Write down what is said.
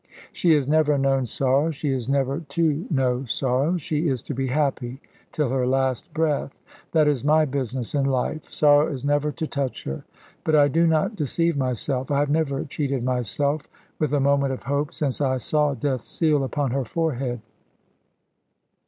"She has never known sorrow. She is never to know sorrow. She is to be happy till her last breath. That is my business in life. Sorrow is never to touch her. But I do not deceive myself. I have never cheated myself with a moment of hope since I saw Death's seal upon her forehead.